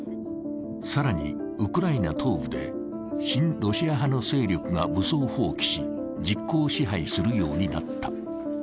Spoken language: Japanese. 更に、ウクライナ東部で親ロシア派の勢力が武装蜂起し実効支配するようになった。